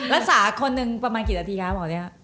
รักษาคนหนึ่งประมาณกี่นาทีคะหมอเนี่ย